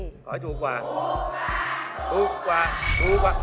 อ๋อถูกกว่าถูกกว่าถูกกว่าถูกกว่า